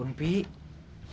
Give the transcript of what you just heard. oke kita ambil biar cepet